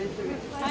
はい。